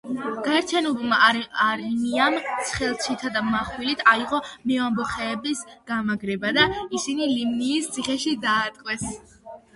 გაერთიანებულმა არმიამ ცეცხლითა და მახვილით აიღო მეამბოხეების გამაგრება და ისინი ლიმნიის ციხეში დაატყვევეს.